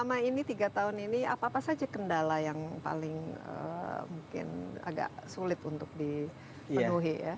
jadi tiga tahun ini apa saja kendala yang paling mungkin agak sulit untuk dipenuhi